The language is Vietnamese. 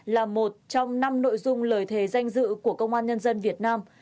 là một trong năm nội dung lời thề danh dự của công an nhân dân việt nam